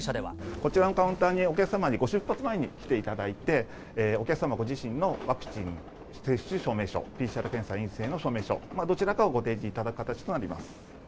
こちらのカウンターにお客様にご出発前に来ていただいて、お客様ご自身のワクチン接種証明書、ＰＣＲ検査陰性の証明書、どちらかをご提示いただく形となります。